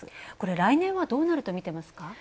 来年は、どうなると見ていますか？